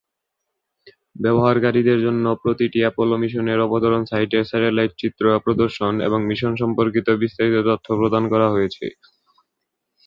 ব্যবহারকারীদের জন্য প্রতিটি অ্যাপোলো মিশনের অবতরণ সাইটের স্যাটেলাইট চিত্র প্রদর্শন এবং মিশন সম্পর্কিত বিস্তারিত তথ্য প্রদান করা হয়েছে।